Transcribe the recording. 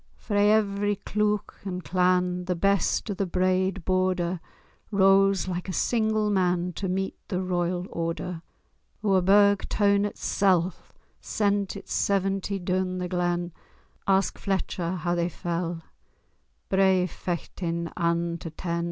Frae every cleuch and clan The best o' the braid Border Rose like a single man To meet the royal order. Oor Burgh toun itsel' Sent its seventy doun the glen; Ask Fletcher[#] how they fell, Bravely fechtin', ane to ten!